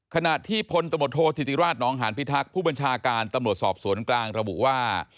ขณะที่พลตมโทษธิติราชนองหานพิทักษ์ผู้บัญชาการตำรวจสอบสวนกลางระบุว่า